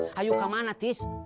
hayu kemana tis